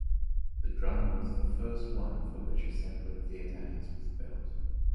The drama was the first one for which a separate theater house was built.